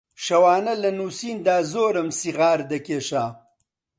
شەوانە لە نووسیندا زۆرم سیغار دەکێشا